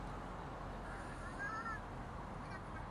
倒摔向